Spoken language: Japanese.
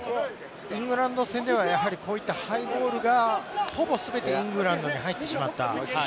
イングランド戦ではこういったハイボールがほぼイングランドに入ってしまった。